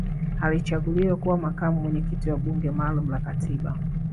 alichaguliwa kuwa makamu mwenyekiti wa bunge maalum la katiba